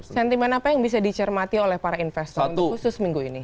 sentimen apa yang bisa dicermati oleh para investor untuk khusus minggu ini